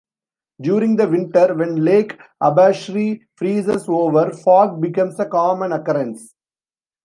During the winter, when Lake Abashiri freezes over, fog becomes a common occurrence.